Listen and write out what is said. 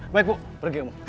baik bu pergi bu